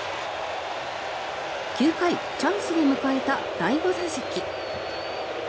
９回、チャンスで迎えた第５打席。